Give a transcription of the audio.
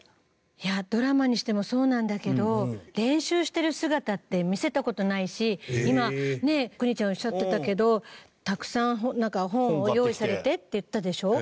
いやドラマにしてもそうなんだけど練習してる姿って見せた事ないし今ねえ邦ちゃんがおっしゃってたけどたくさん本を用意されてって言ったでしょ。